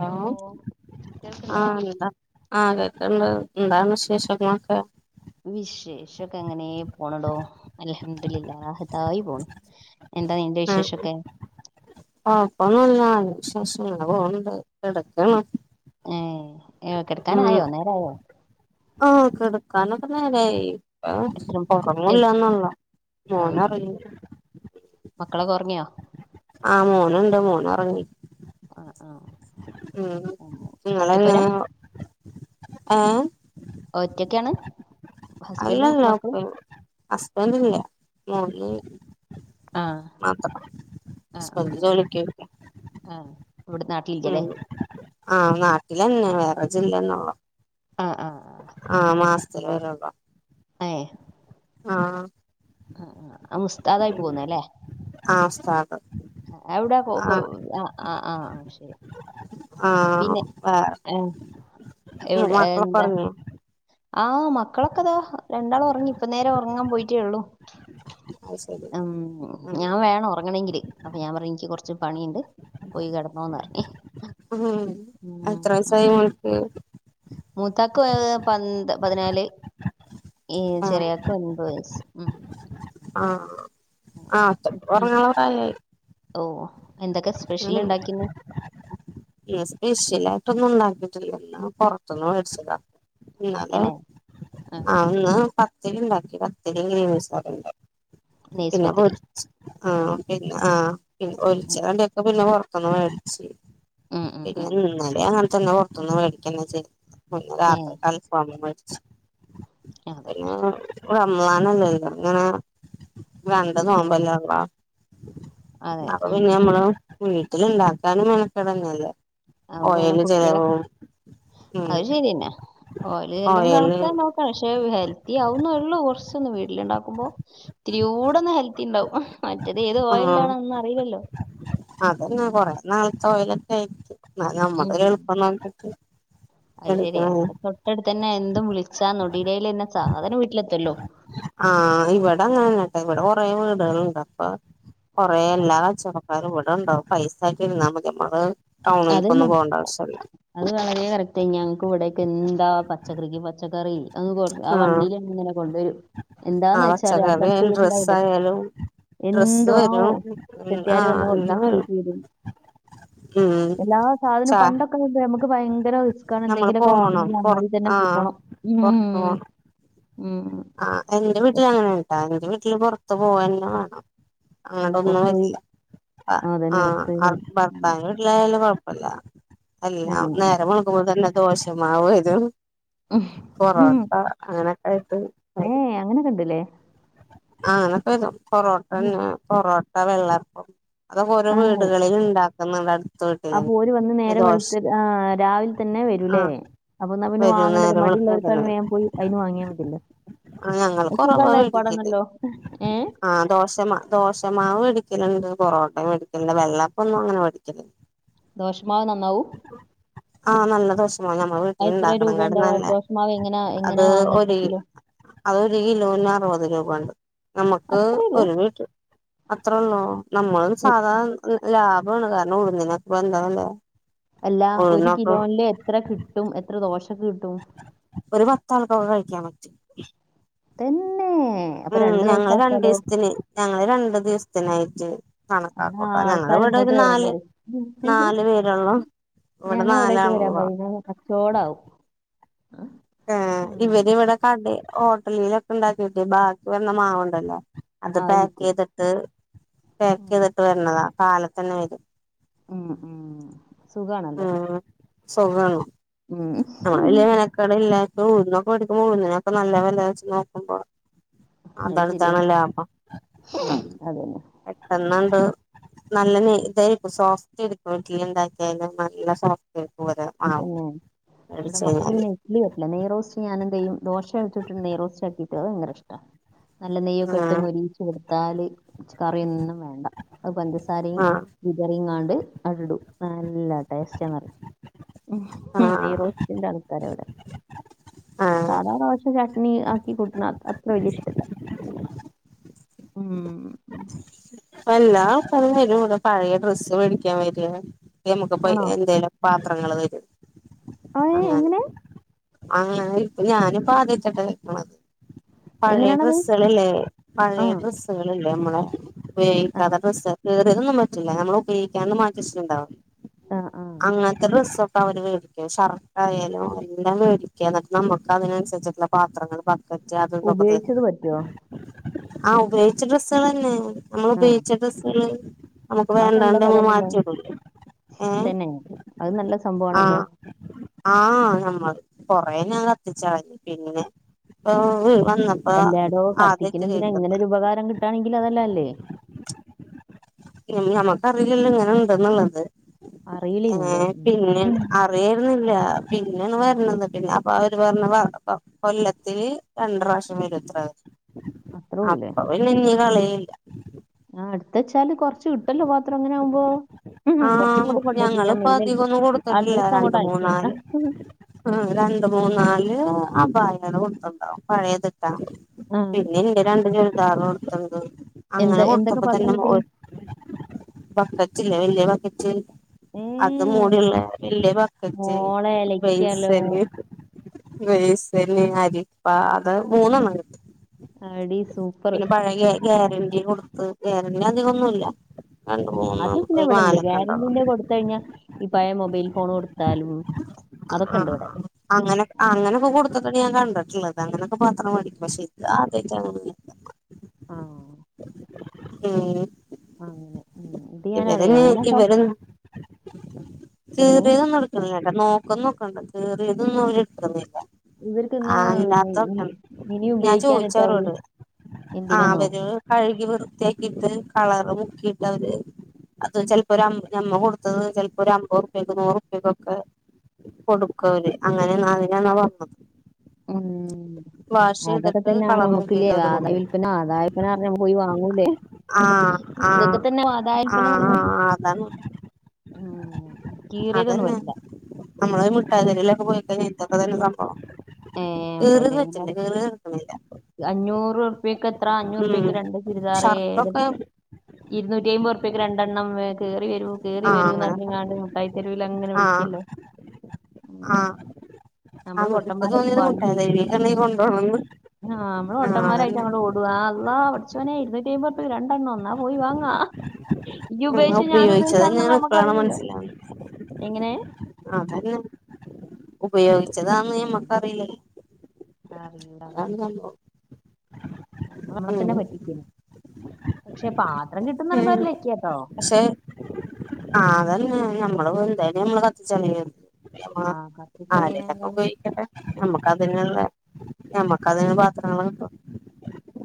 Hello കേൾക്ക്ണ്ടോ ആഹ് ന്താ ആ കെ തെന്താ എന്താണ് വിശേഷങ്ങളൊക്കെ? വിശേഷൊക്കെ അങ്ങനേ പോണടോ. അൽഹംദുലില്ല റാഹത്തായി പോണ്. എന്താ നിന്റെ ആഹ് വിശേഷൊക്കെ? കൊഴപ്പൊന്നുല്ല. നല്ല വിശേഷം. ഇങ്ങനെ പോണ് ണ്ട്. കെടക്ക്ന്ന്. ഏ കെടക്കാനായോ? നേരായോ? ഓ കെടക്കാനൊക്കെ നേരായി. ഏഹ് എത്ര എ ഒറങ്ങൂല്ലാന്നുള്ളു. ആഹ് മോനൊറങ്ങീല. മക്കളൊക്കെ ഒറങ്ങിയോ? ആഹ് മോനുണ്ട് മോനൊറങ്ങി. ആഹ്. ഉം ആഹ് നിങ്ങളെങ്ങ ഒറ്റപ്പോരാ ഏഹ്. ഒറ്റയ്ക്കാണ്? അല്ലല്ലോപ്പ ഹസ്ബന്റില്ല. മോന് [unintelligible] ആഹ് മാത്രം. ആഹ് ഹസ്ബന്റ് ആഹ് ആഹ് ജോലിക്ക് പോയിരിക്കാ ആഹ് ഇവിടെ നാട്ടിലില്ലല്ലേ ഉം. ആഹ് നാട്ടിലെന്നെ. വേറെ ജില്ലേന്നുള്ളു. ആഹ് ആഹ് ആഹ് മാസത്തില് വരൂള്ളു. ഏഹ്. ആഹ്. ആ ആ ആ ഉസ്താദായി ഉം പോന്നയാല്ലേ? ആഹ് ഉസ്താദ് എവിടാ കൊ കൊ ആഹ് ആ ആഹ് ആഹ് ശെരി. ആഹ് വെ എവിടെ എന്താ മക്കളൊക്കൊറങ്ങ്യോ? ആഹ് മക്കളൊക്കെ ദാ രണ്ടാളൊറങ്ങി. ഇപ്പ നേരെ ഒറങ്ങാൻ പോയിട്ടേള്ളു. അത് ശരി ഉം. ഞാൻ വേണം ഒറങ്ങണെങ്കില്. അപ്പൊ ഞാൻ പറഞ്ഞു ഇനിക്ക് കൊറച്ച് പണിയ്ണ്ട് പോയി കെടന്നോന്നർഞ്ഞ്. ഉം എത്ര വയസ്സായി മോന്ക്ക്? മൂത്താക്ക് ഓ പന്ത്‌ പതിനാല് ഹ് ആഹ് ചെറിയാക്ക് ഒൻപത് വയസ്സ് ഉം. ആഹ് അങ്ങനെ. ആ ത് [unintelligible] പ്രായായി. ഓഹ്. ഉം ന്ന് സ്പെഷ്യലായിട്ടൊന്നും ഉണ്ടാക് ലല്ല [unintelligible] പുറത്ത്ന്ന് വേട്ച്ചതാ ഇന്നലെ അന്നെ ഉം ആന്ന് പ ത്തിരിണ്ടാക്കി പത്തിരിം ഗ്രീപീസ് കറിണ്ടാക്കി നെയ്സ് പിന്നെ പത്തിരി [unintelligible] ആ പിന്നെ ആ ഉം ഒഴിച്ചാണ്ടൊക്കെ പിന്നെ പൊറത്ത്ന്ന് വേടിച്ച്. ഉം ഉം പിന്നെ ഉം ഇന്നലിം അങ്ങൻത്തന്നെ പൊറത്തുന്ന് വെടിക്കെന്നെ ചെയ്ത്. പിന്നെ ഏഹ് രാത്ര് അൽഫാമു വേടിച്ച് അതെ പിന്നെ ളാനല്ലല്ലോ ഇങ്ങനെ രണ്ട് ആഹ് നോമ്പല്ലേള്ളാ. അതെ. ഉം പിന്നെ ഉം. മ്മള് വീട്ടിൽണ്ടാക്കാനും മെനക്കെടന്നെല്ലേ. അത് വേണം ഓയിൽന്റെ കുട്ടികളെ ചെലവു. അത് ശരിയന്നെ ഓയിലെല്ലും കണക്കാൻ നോക്ക ക്ഷെ ഹെൽത്തി ആവുന്നുള്ളൂ കൊറച്ചൊന്ന് വീട്ട്ല്ണ്ടാ ക്കുമ്പോ ഇത്തിരി കൂടെ ഒന്ന് ഹെൽത്തി ണ്ടാവും. മറ്റേത് ഏത് ഉം ഓയില്ലാണോന്നും അറിയില്ലല്ലോ? ഉം. ടോയ്ലറ്റായി ഉം. നമുടൊരു എളുപ്പം [unintelligible] അത് ശരിയ. എടുക്കണല്ലേ തൊട്ടടുത്ത് ന്നെ എന്തും വിളിച്ചാ നൊടിടയിൽന്നെ സാധനം വീട്ടിലെത്തല്ലോ? ആഹ ഇവിടെങ്ങന്നന്നെട്ട. ഇവിടെ കൊറെേ വീടുകളുണ്ട് അപ്പൊ കുറെേ എല്ലാ കച്ചവടക്കാരും ഇവടെണ്ടാവും. പൈസാറ്റി രുന്നാ മതി നമ്മള് അതന്നെ ടൗണിൽക്കൊന്നും പോണ്ട അവശ്യല്ല. പ ഞങ്ങൾക്ക് ഇവിടൊക്കെ ന്താ, പച്ചക്കറിക്ക് പച്ചക്കറി അ കൊ ആ ആഹ് വണ്ടിലിങ്ങനെ കൊണ്ടുവരും. ആ എന്താന്ന് വെച്ചാല് പച്ചക്കറി അടുത്തടുത്ത് വീട് ഡ്രസ്സ് ണ്ടായില്ലേ? ആയാലും ഡ്രസ്സ് എന്തുവാവോ വരും ഉം ചെട്ടിയാര് ആഹ് വന്ന് എല്ലാം വരും [unintelligible] ഉം എല്ലാ സാധനം ചാ പണ്ടൊക്കെ ണ്ട്മ ഭയങ്കര റിസ്ക്കാണ് നമ്മള് എന്തെങ്കിലൊക്കെ പോണം വാങ്ങണെങ്കി പൊറ അങ്ങാടി തന്നെ ആഹ് പോണം. പൊറത്ത് ഉം. പോണം ഉം ആഹ് എന്റെ വീട്ടില് അങ്ങനെണ് ട്ടാ. എന്റെ വീട്ടില് പുറത്ത് പോവന്നെ വേണം. ആ അങ്ങടൊന്നും പുറത്തു പോയി വരില്ല. ആ അതന്നെ പുറത്തു പോയി ആ കളി- ഉം. ഭർത്താവിന്റെ വീട്ടിലയാല് ല്ല. എല്ലാം നേരം വെളുക്കുമ്പോ തന്നെ ദോഷമാവ്‌ വരും. പൊറോട്ട അങ്ങനെയൊക്കെ ആയിട്ട്. ഏയ്! അങ്ങനെക്കെ ണ്ട്ലേ? ആ അങ്ങനൊക്കെ വരും. പൊറോട്ടന്നെ പൊറോട്ട വെള്ളപ്പം അതൊക്കെഓരോ വീടുകളിൽ ണ്ടാക്കുന്നതാണ്. ആ പോര് വന്ന് നേരം വെളുത്ത് ആ രാവിലെ തന്നെ വരൂലേ? ആഹ് അപ്പൊ ന്നാ പിന്നെ വരും വാങ്ങേണ്ട ല്ലോ നേരം മ വെളുക്കുമ്പോ തന്നെ ള്ളവർക്കാണ് വേപോയി അയിന്ന്‌ വാങ്ങിയാ മതില്ലേ? ആ ഞങ്ങള് കൊറവാ വീട്ട ഏഹ് ആ ദോശമ ദോശമാവ് എട്ക്കലുണ്ട്. പൊറോട്ട മേടിക്കും, വെള്ളപ്പൊന്നും അങ്ങനെ മേടിക്കില്ല. ദോഷമാവ് നന്നാവും? ആഹ നല്ല ദോശമാവ. നമ്മള് വീട്ടിൽ അത് എത്ര ണ്ടാക്കണെ രൂപ കാട്ടി ഉണ്ടാവാ നല്ല ദോശമാവ് എങ്ങനാ എങ്ങനാ അത് വാങ്ങാ എത്ര ഒര് കിലോ അതൊരു കിലോന് അറുപത് രൂപ ണ്ട്. നമുക്ക് അത്ര ഒരു വീട്ടിൽ അത്രേ ഉള്ളൂ. നമ്മളും സാധാ ലാഭാണ്. കാരണം ഉഴുന്നിനോക്കെ പ്പൊ ന്താ വില? അല്ല ഒരു കിലോനില് എത്ര കിട്ടും എത്ര ദോശ കിട്ടും? ഒരു പത്താൾക്കൊക്കെ കഴിക്കാ പറ്റും. തൻ. [inaudible] ഉം ഞങ്ങള് രണ്ടീസത്തിന്, ഞങ്ങള് രണ്ടു ദിവസത്തിനായിട്ട് എന്നാ കണക്കാക്കു ട്ടോ. ഞങ്ങള് ആൾക്കാര് വിടെ ഇങ്ങോട്ട് ഒരു വരാൻ നാല്, നാല് പേരൊള്ളൂ. ഞങ്ങളവിടേക്ക് വരാൻ പറയി ങ്ങക്ക് കച്ചോടാവും. ഏ ഉം ഇവര് ഇവിടെ കട ഹോട്ടലിലൊക്കെ ഉണ്ടാക്കിട്ട് ബാക്കി വന്ന മാവുണ്ടല്ലോ അത് ആവി വിക്കും പാക്ക്യ്തിട്ട് ഉം പാക്ക്യ്തിട്ട് വരണതാ കാലത്തന്നെ വരും. ഉം ഉം സുഖാണല്ലോ ഉം സുഖാണ് ഉം ഉം പാക്ക് ഉഴുന്നൊക്കെ വെടിക്കുമ്പോ ഉഴുന്നിനൊക്കെ നല്ലവെലയാ ച്ച്നോക്കുമ്പോ. അത് ശരിയാ അതാണൊതാണോ ലാഭം ഉം അതന്നെ എത്രണ്ണണ്ട് നല്ല നെ തായിരിക്കും സോഫ്റ്റ് ആയിരിക്കും ഇഡലി ഉണ്ടാക്കിയാല് നല്ല സോഫ്റ്റ. പോത് ആ പിന്നെ എടെ ചെയാല് നെയ്റോസ്റ്റ് ഞാനെന്തെയ്യും ദോശചുട്ടി നെയ്റോസ്റ്റാക്കിട്ട് അ ഭയങ്കരഷ്ട. നല്ല നെയ്യൊക്കെ ഇട്ട് ആഹ് മൊരീച്ച്കൊടുത്താല് കറി ഒന്നും വേണ്ട അ പഞ്ചസാരയും ആഹ് വിതറിങ്ങാണ്ട് അടടും നല്ല ടേസ്റ്റ്ന്നറിം ആഹ് നെയ്‌റോസ്റ്റിന്റെ ആൾക്കാര ഇവടെ ആഹ് സാധാ ദോശ ചട്നി ആക്കി കൂട്ടണ അത്ര വല്യ ഇഷ്ടല്ല. ഉം ഉ വല്ലാ ആക്കാരും വരുംടെ പഴയ ഡ്രസ്സ്‌ വേടിക്കാൻവര നമുക്ക്പ്പ ആണോ എന്തേല പാ ത്രങ്ങൾ തരും ആ ഏ, അങ്ങനെ എങ്ങനെ അങ്ങെ ഞാന് പാതിച്ചട്ട് മതി പഴയ എങ്ങനെയാണത് ഡ്രസ്സളല്ലേ ആ പഴയ ഡ്രസ്സുകളല്ലേമ്മളെ ആ ഉപയോഗിക്കാത്തഡ്രസ്സ്‌ കീറിതൊന്നുംപറ്റില്ല നമ്മള് ഉപയോഗിക്കാണ്ട് മാറ്റിച്ചത്ണ്ടാവും ആ ആ അങ്ങൻത്തെ ഡ്രസ്സൊക്കെ അവര്മേടിക്കും ഷർട്ടയാലും എന്താ മേടിക്കന്ന നമക്കതിന ച്ചിട്ടുള്ള പാത്രങ്ങൾ ബക്കറ്റ് അതുതൊക്കെ ഉപയോഗിച്ചത് പറ്റുമോ ആ ഉപയോഗിച്ച ഡ്രസ്സളന്നെ നമ്മള് ആ ഉപയോഗിച്ച ഡ്രസ്സള് നമുക്ക് അത് നല്ല വേണ്ടണ്ട് നമ്മൾ കഥാണല്ലോ മാറ്റിടുല്ലേ ഏ തന്നെ അത് നല്ല സംഭവണല്ലോ ആ നമ്മൾ കൊറേ ഞാ കത്തിച്ചളഞ്ഞു പിങ്ങിനെ ഓ എല്ലാടോ കത്തിക്ക്നന്തിനാ ഇങ്ങനെരു ഉപകാരംകിട്ടാണെങ്കിൽ അതല്ല നല്ലേ ഞമക്കറിയില്ലല്ലോ ഇങ്ങനെ ഉണ്ടെന്നുള്ളത് ഏ അറിയില്ലേ പിന്നെ അറിയായിരുന്ന ല്ല പിന്നെണ് വരണത് പിന്നെ അപ്പൊ അവര് പറഞ്ഞതാ കൊല്ലത്തില് രണ്ട്റാശ്യംവരുത്ര അത്രേ ഉള്ളേ അപ്പൊ പിന്നെ ഇഞ്കളില്ല ആ ട്ത്തച്ചാല് കൊർച്ച് കിട്ടല്ലോ പാത്രം ഇങ്ങനെ ആവുമ്പോ ഉം, ആ കുറച്ചും കൂടെ കൊണ്ടുപോയിട്ട് ഞാൻ ഞങ്ങള്പ്പ മെയിൽ അയക്കാം അധികൊന്നും കൊടുത്തിട്ടില്ല അഡ്രസ് രണ്ട് അങ്ങോട്ട് മൂന്നാല് അയച്ചുതരാം ആ രണ്ട്മൂന്നാല് അപായണ് കൊട്ത്ത്ട്ടൊ പയേത്ട്ട ആ പിന്നെ ഇന്റെ രണ്ട് ഷാളുംകൊട്ത്ണ്ട് അങ്ങനെ എന്താ എന്തൊക്കെ കൊടുത്തപ്പോ പാത്രം തന്നെ കിട്ടി ഓല് വക്കറ്റ് ല്ലെ വല്ല്യവകറ്റ് ഏ അത് മൂടിള്ള വല്യ വക്കറ്റ് മോളെ ഇലക്കാലോ ബൈസല് വെയ്സല് അരിപ്പ അത് മൂന്നെണ്ണം കിട്ടും അടി സൂപ്പർ. പിന്നെ പഴയ ഗ്യാരന്ണ്ടി കൊടുത്ത് ഗ്യാരന്ണ്ടി അധികൊന്നുല്ല രണ്ട് ആ മൂന്ന് അത്പിന്നെ ഒരു ഇവട് ണ്ട് നാലൊക്കെ ഉണ്ടാവും ഗ്യാരണ്ടീന്റെ കൊടുത്തഴിഞ്ഞാൽ ഈ പയേ മൊബൈൽ ഫോൺ കൊടുത്താലും അതൊക്കെ ആ ഉണ്ട് ഇവിടെ. അങ്ങനെ അങ്ങനെപ്പ കൊടുത്ത്ക്കണ് കണ്ടിട്ടുള്ളത് അങ്ങനെക്കെ പാത്രം ഉം. മേടിക്കും പക്ഷെ ഇത് ആദ്യയ്റ്റാണ് ആ ഉം അങ്ങനെ ഉം ഉ ഇവര് ഇവരന്ന് എങ്ങനെ കീറിയതൊന്നും എടുക്കണില്ലട്ടോ, നോക്കന്നോക്കെണ്ട്, കീറിയതൊന്നും അവര് എടുക്കുന്നില്ല. ഇവർക്കിന്ന് ആഹ അല്ലാത്ത ഇനി [unintelligible] ഞാൻ ഉപയോഗിക്കാനിട്ടാവൂ ചോദിച്ചവരോട് ആ എന്തിനാന്നോ? അവര് കഴുകി വൃത്തിയാക്കിട്ട് കളറ് മുക്കിയിട്ട് അവര് അത് ചെലപ്പോ ഒരമ്പ ഞമ്മ കൊടുത്തത് ചിലപ്പോ ഒരു അമ്പത് റുപിയക്ക് നൂറുറുപിയാക്കൊക്കെ കൊടുക്കുവര് അങ്ങനെന്ന തിനന്നാ വന്നത് ഉം അതൊക്കെ തന്നെ കളറ് നമുക്കില്ലേ മുക്കിയിട്ട് അവര് കൊടുക്കും അതയവിൽപ്പന അതായവിൽപ്പന പറഞ് പോയി വാങ്ങൂലേ? ആഹ് ഇതൊക്കെ ആഹ് തന്നെ അതായ പിന്നെ ആഹ് ആഹ് അതാണ് കീറിയതൊന്നും പറ്റല്ല നമ്മള മുട്ടായിത്തെരുല് ഒക്കെ പോയിക്കഴിഞ്ഞാൽ ഇതൊക്കെ തന്നെ സംഭവം കീറിയത് പറ്റില്ല കീറിയത് എട്ക്ക് അഞ്ഞൂരൂർപ്യയെക്ക് എത്ര ഉം അഞ്ഞൂറുപ്യക്ക് രണ്ട് ചുരിദാറെ ഷർട്ടൊക്കെ ഇരുന്നൂറ്റിഅയ്മ്പോ ഇക്ക് രണ്ടെണ്ണം കേറി വരൂ കേറി ആ വരൂന്ന് അങ്ങനെ പറിഞ്ഞിങ്ങാണ്ട് മുട്ടായിതെരുവലങ്ങനെ ആ വിളിക്കല്ലോ ആ ഉം നമ്മള് ആക്ക് പൊട്ടന്മാരായിട്ട് തോന്നിയത് പായും മുട്ടായി ചെയ്യും തരുക കൊണ്ട് [unintelligible] ആ നമ്മള് പൊട്ടമാരായിട്ട് അങ്ങ്ട് ഓടുകാ അ അള്ളാ പടച്ചോനെ [unintelligible] രണ്ട് ഒന്നാ പോയി വാങ്ങാ ഇജ്ജ് ഉം ഉപയോഗിച്ച് ഞാന് ഉപയോഗിച്ച ആണെന്ന് ഉപയോഗിച്ചതന്നെയാണ് നമ്മുക്ക് ഇപ്പളാണ് അറീലല്ലോ മനസ്സിലാവുന്നെ അതന്നെ ഉപയോഗിച്ചതാന്ന് ഉം നമ്മക്ക് അറീലല്ലേ [unintelligible] ഉം വെള്ളത്തിനെ പറ്റിക്കല്. പാത്രം ഉം കിട്ടുന്നറിയുമ്പോൾ ലക്ക്യാട്ടോ നമ്മള് എന്തായാലും നമ്മള് കത്തിച്ചളിയ ആ ആരെലൊക്കെ കത്തിച്ചളീനേക്കാളും ഉപയോഗിക്കട്ടെ നമ്മുക്ക് അതിനുള്ള ഞമ്മക്ക് അതിന് പത്രങ്ങള് കിട്ടും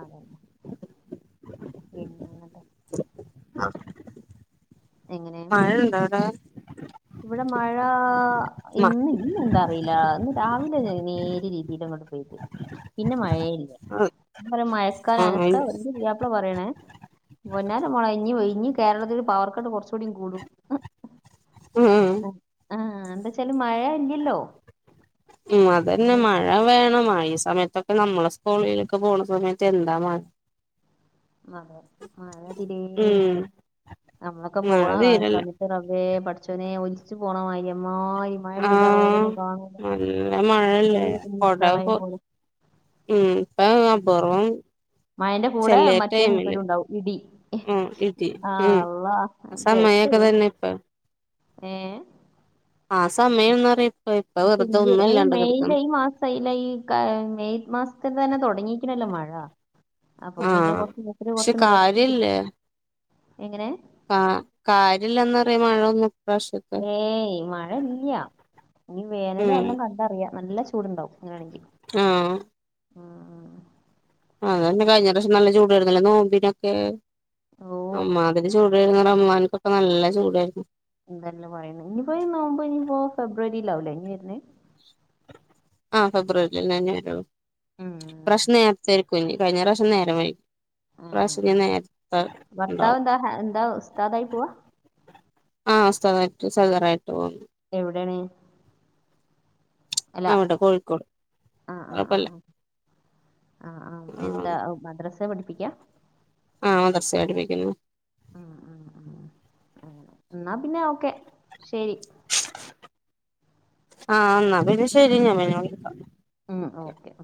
അതന്നെ പിന്നെങ്ങട്ടാ ആഹ് മഴണ്ടേ അവടെ? ഇവിടെ മഴ മ ഇന്ന് ഇന്ന്ണ്ടോ അറീല ഇന്ന് രാവിലെ നേരി രീതിയിങ്ങട്ട് പിന്നെ മഴയേ ഇല്ല പറയും മഴക്കാലാണ് ഇക്ക ഇന്റെ പുതിയാപ്ല പറയണേ പുന്നാര മോളെ ഇനി ഇഞ്ഞ് കേരളത്തില് പവർ കട്ട് കൊറച്ചുടി കൂടും ഉം ഉം ആഹ് എന്താച്ചാല് മഴ ഇല്ലല്ലോ ഉം അതന്നെ മഴ വേണം ആ ഈ സമയത്തൊക്കെ നമ്മള് സ്കൂളിലൊക്കെ പോണ സമയത്ത് എന്താ മ അതെ മഴ തിരേയില്ല നമ്മളെക്കെ മഴ പോണ കാ തീരല്ല സമയത്ത് റബ്ബേ പഠച്ചോനെ ഒലിച്ച് പോണമാതിരി ആഹ് ഈ മഴ പെയ്താ റോഡ് ആഹ് ഒന്നും കാണുല നല്ല മഴല്ലേ ചെറിയ കുഞ്ഞീ കൊട പ്രളയം പോ പോലെ ഉം ഇപ്പ പൊറും മഴന്റെ കൂടെ ചെലെ മറ്റേ ടൈമില് മൂപ്പരും ഉണ്ടാവും ഇടി ഉം ഇരുത്തി ആ ഉം അള്ളാ ആ സമ അങ്ങനെക്കെ തന്നെ ഇപ്പം ഏഹ് ആ സമയം എന്നറി പക്ഷെ ഇ മെയില് ഈ മാസം അയില് ഈ ഏ മെയ് മാസത്തില് തന്നെ തുടങ്ങി. ക്ക്ണല്ലോ മഴ അപ്പം പിന്നെ ആഹ് കൊറച്ച് പക്ഷെ [unintelligible] റസ്റ്റെടുത്തിട്ട് കാര്യല്ലേ കാ കാര്യല്ലാന്നറിയു മഴോ ഏയ് മഴ ഇല്ല ഇനീ വേനലും ഉം എല്ലാം കണ്ടറിയാം നല്ല ചൂടുണ്ടാവും ഇങ്ങനാണെങ്കി ആഹ് വെര്ന്നില്ല നോമ്പിനൊക്കെ ഓ അമ്മാതിരി ചൂടേന്നു ഒമാന്ക്കൊക്കെ നല്ല ചൂടായിരുന്നു. എന്തെല്ലാം പറയ്ണെ ഇനിപ്പോ ഈ നോമ്പെനിപ്പോ ഫെബ്രുവരിയിലാവുലെ ഇനി വെര്ണത് ആ ഫെബ്രുവരിലെന്നെ വെരു ഉം. ഇപ്രാശ്യം നേര്ത്തെക്കുംനി കഴിഞ്ഞ പ്രാശ്യം നേരംവൈകി ഉം, ഇപ്രാശ്യം ഞ്ഞി ഉം. നേര്ത്തെ ഭർത്താവ് ണ്ടാവും എന്താ ഹ- എന്താ ഉസ്താദായി പോവാ ആഹ് ഉസ്താദായിട്ട് സദറയിട്ടു പോവുന്നു. എവിടെണ് അവടെ കോഴിക്കോട് ആ ആ ആ കൊഴപ്പല്ല. ആ ആ ആ എന്താ മദ്രസ പഠിപ്പിക്കാ ആ മദ്റസേല് പഠിപ്പിക്കുന്നു ഉം ഉം ഉം ഉം ന്നാ പിന്നെ ഓക്കെ ശെരി ആ ന്നാ പിന്നെ ശെരി ഞാൻ പിന്നെ വിളിക്കാ ഉം ഓക്കെ.